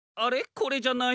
これじゃない。